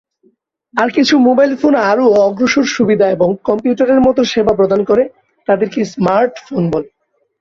আর কিছু mobile phone আরও অগ্রসর সুবিধা এবং কম্পিউটারের মত সেবা প্রদান করে, তাদেরকে স্মার্ট ফোন বলে।